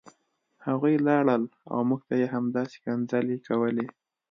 هغوی لاړل او موږ ته یې همداسې کنځلې کولې